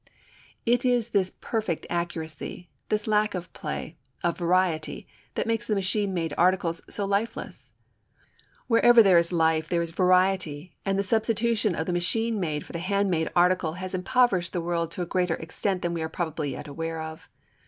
It is this perfect accuracy, this lack of play, of variety, that makes the machine made article so lifeless. Wherever there is life there is variety, and the substitution of the machine made for the hand made article has impoverished the world to a greater extent than we are probably yet aware of.